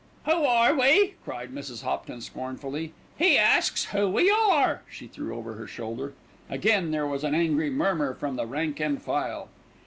"Who are we?" cried Mrs. Hopton scornfully. "He asks who we are," she threw over her shoulder. Again there was an angry murmur from the rank and file.